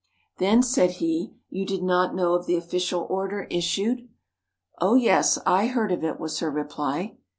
"Then," said he, "you did not know of the official order issued?" "Oh yes, I heard of it," was her reply.